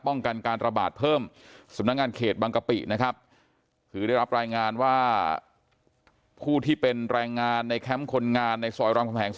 การระบาดเพิ่มสำนักงานเขตบางกะปินะครับคือได้รับรายงานว่าผู้ที่เป็นแรงงานในแคมป์คนงานในซอยรามคำแหง๒